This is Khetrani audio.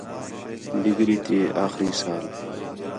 ڈگری تے آخری سال